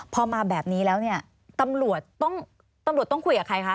พอมาแบบนี้แล้วเนี่ยตำรวจต้องคุยกับใครคะ